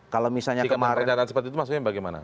kalau misalnya kemarin